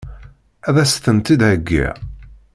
Ad as-tent-id-heggiɣ?